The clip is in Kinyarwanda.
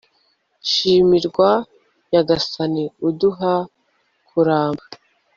shimirwa nyagasani, uduha kuramba